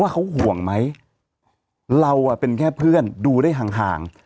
ว่าเขาห่วงไหมเราอ่ะเป็นแค่เพื่อนดูได้ห่างห่าง